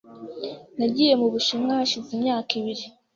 Nagiye mu Bushinwa hashize imyaka ibiri .